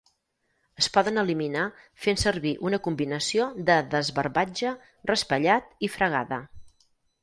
Es poden eliminar fent servir una combinació de desbarbatge, raspallat i fregada.